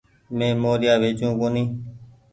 مين موريآ ويچو ڪونيٚ ۔